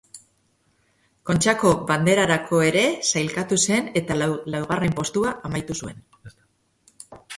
Kontxako Banderarako ere sailkatu zen eta laugarren postuan amaitu zuen.